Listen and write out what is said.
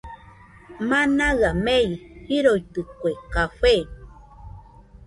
Manaɨa mei jiroitɨkue café